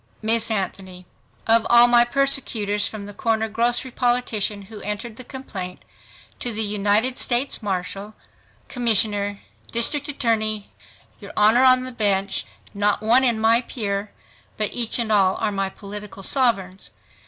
Miss ANTHONY—Of all my persecutors from the corner grocery politician who entered the complaint, to the United States marshal, commissioner, district attorney, district judge, your Honor on the bench, not one is my peer, but each and all are my political sovereigns